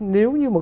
nếu như mà